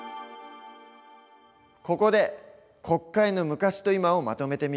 ここで国会の昔と今をまとめてみよう。